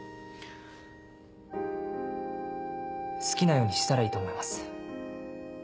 好きなようにしたらいいと思います。